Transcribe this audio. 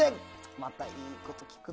またいいこと聞くね。